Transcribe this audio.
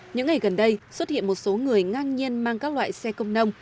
những ngày gần đây xuất hiện một số người ngang nhiên mang các loại xe công nông